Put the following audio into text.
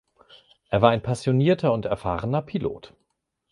Er war ein passionierter und erfahrener Pilot.